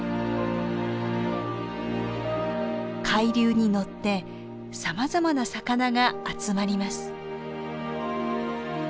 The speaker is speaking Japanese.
海流に乗ってさまざまな魚が集まります。